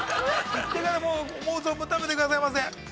◆思う存分食べてくださいませ。